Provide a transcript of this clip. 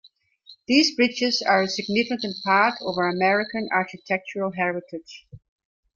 These bridges are a significant part of our American architectural heritage.